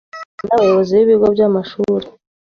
no kuba abarezi n’abayobozi b’ibigo by’amashuri